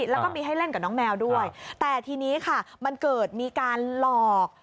แล้วก็มีให้เล่นกับน้องแมวด้วยแต่ทีนี้ค่ะมันเกิดมีการหลอก